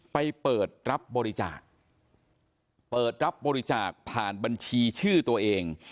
ไปเปิดรับบริจาคเปิดรับบริจาคผ่านบัญชีชื่อตัวเอง